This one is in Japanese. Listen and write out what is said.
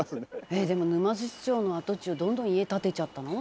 「えっでも沼津城の跡地をどんどん家建てちゃったの？